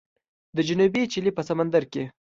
د جنوبي چیلي په سمندر کې